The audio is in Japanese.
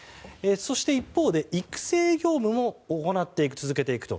そして一方で、育成業務も続けていくと。